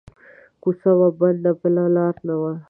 کو څه وه بنده بله لار نه وه